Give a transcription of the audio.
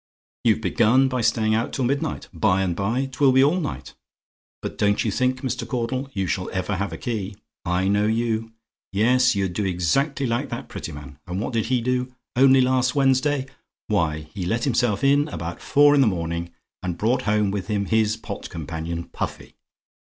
"You've begun by staying out till midnight. By and by 'twill be all night. But don't you think, Mr. Caudle, you shall ever have a key. I know you. Yes; you'd do exactly like that Prettyman, and what did he do, only last Wednesday? Why, he let himself in about four in the morning, and brought home with him his pot companion, Puffy.